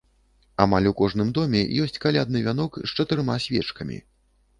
Амаль у кожным доме ёсць калядны вянок з чатырма свечкамі.